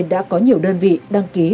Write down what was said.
đã có nhiều đơn vị đăng ký